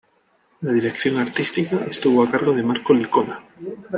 La dirección artística estuvo a cargo de Marco Licona.